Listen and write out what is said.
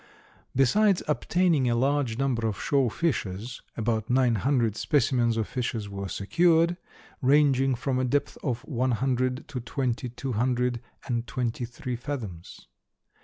Besides obtaining a large number of shore fishes, about nine hundred specimens of fishes were secured, ranging from a depth of one hundred to twenty two hundred and twenty three fathoms.